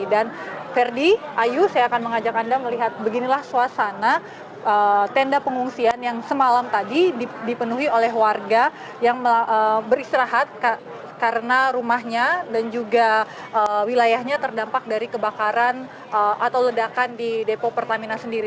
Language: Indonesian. dan verdi ayu saya akan mengajak anda melihat beginilah suasana tenda pengungsian yang semalam tadi dipenuhi oleh warga yang beristirahat karena rumahnya dan juga wilayahnya terdampak dari kebakaran atau ledakan di depo pertamina sendiri